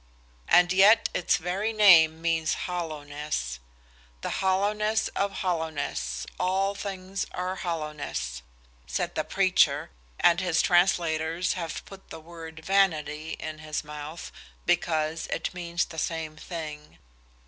And yet its very name means hollowness. "The hollowness of hollowness, all things are hollowness," said the preacher, and his translators have put the word vanity in his mouth, because it means the same thing.